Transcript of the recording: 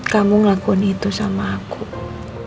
kamu ngelakuin itu sama aku